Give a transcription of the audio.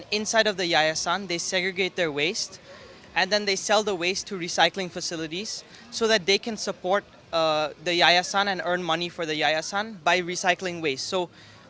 dan di dalam yayasan mereka menggabungkan permasalahan mereka dan mereka menjual permasalahan mereka ke fasilitas pemotongan agar mereka dapat mendukung yayasan dan mendapatkan uang untuk yayasan dengan memotong permasalahan